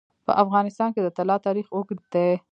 په افغانستان کې د طلا تاریخ اوږد دی.